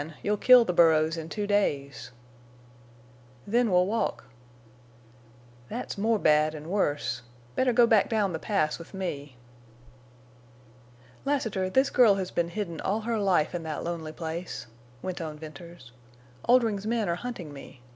You'll kill the burros in two days." "Then we'll walk." "That's more bad an' worse. Better go back down the Pass with me." "Lassiter, this girl has been hidden all her life in that lonely place," went on Venters. "Oldring's men are hunting me.